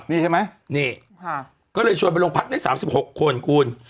นี่ใช่ไหมนี่ค่ะก็เลยชวนไปลงพักได้สามสิบหกคนกูล